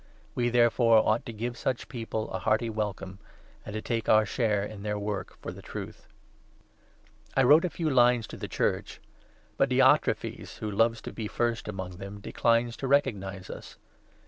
We, therefore, ought to give such people 8 a hearty welcome, and so take our share in their work for the Truth. I wrote a few lines to the Church ; but Diotrephes, who 9 loves to be first among them, declines to recognize us.